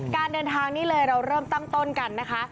การเดินทางนี่เลยเราเริ่มตั้งต้นกันนะคะ